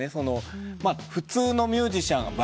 普通のミュージシャン。